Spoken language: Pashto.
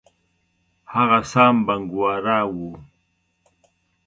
هغه سام بنګورا وو.